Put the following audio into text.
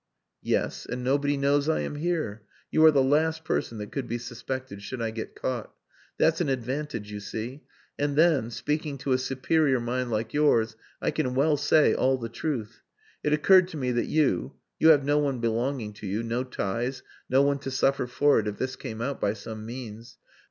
"Yes. And nobody knows I am here. You are the last person that could be suspected should I get caught. That's an advantage, you see. And then speaking to a superior mind like yours I can well say all the truth. It occurred to me that you you have no one belonging to you no ties, no one to suffer for it if this came out by some means.